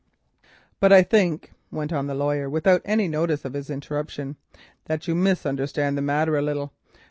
"But I think," went on the lawyer, without any notice of his interruption, "that you misunderstand the matter a little.